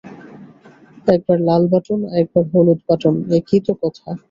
একবার লাল বাটন, একবার হলুদ বাঁটন, একই তো কথা!